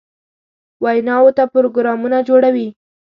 ویناوو ته پروګرامونه جوړوي.